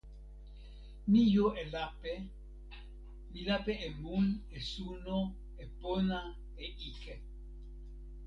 mi jo e lape. mi lape e mun e suno e pona e ike.